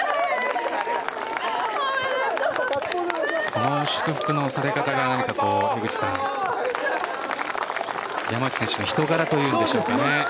この祝福のされ方が山内選手の人柄というんでしょうか。